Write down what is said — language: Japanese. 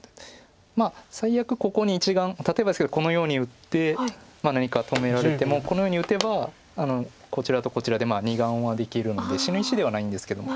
最悪ここに１眼例えばですけどこのように打って何か止められてもこのように打てばこちらとこちらで２眼はできるので死ぬ石ではないんですけども。